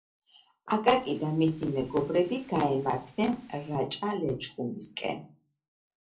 აკაკი და მისი მეგობრები გაემართნენ რაჭა-ლეჩხუმისკენ